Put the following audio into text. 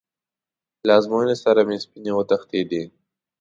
له ازموینې سره مې سپینې وتښتېدې.